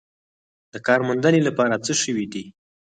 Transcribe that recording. د کار موندنې لپاره څه شوي دي؟